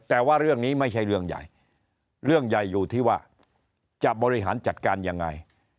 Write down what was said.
แต่ว่าเรื่องนี้ไม่ใช่เรื่องใหญ่เรื่องใหญ่อยู่ที่ว่าจะบริหารจัดการยังไง